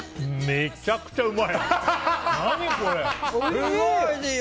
めちゃくちゃうまい！